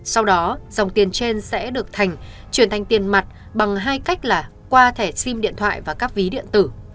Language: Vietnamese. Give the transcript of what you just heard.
sau đó dòng tiền trên sẽ được thành chuyển thành tiền mặt bằng hai cách là qua thẻ sim điện thoại và các ví điện tử